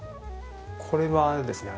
これはですね